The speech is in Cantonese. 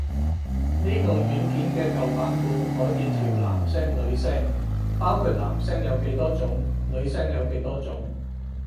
呢個軟件嘅舊版本可以調男聲女聲，包括男聲有幾多種女聲有幾多種